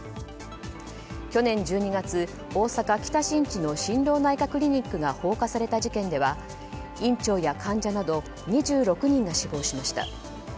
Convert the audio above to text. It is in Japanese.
去年１２月、大阪・北新地の心療内科クリニックが放火された事件では院長や患者など２６人が死亡しました。